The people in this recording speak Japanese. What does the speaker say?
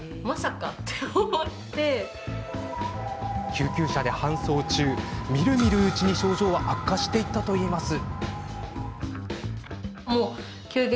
救急車で搬送中、みるみるうちに症状は悪化していったといいます。